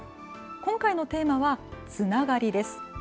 今回のテーマはつながりです。